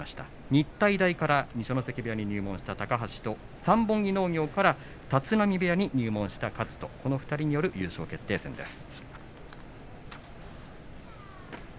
日体大から二所ノ関部屋に入門した高橋と三本木農業から立浪部屋に入門した一翔、この２人の優勝決定戦です。